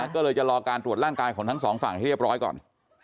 ก็เลยจะรอการตรวจร่างกายของทั้งสองฝั่งให้เรียบร้อยก่อน